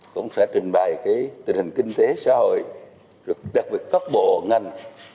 cũng sẽ trình bày tình hình kinh tế xã hội đặc biệt các bộ ngành